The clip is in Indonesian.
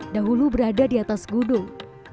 dahulu berada di atas gunung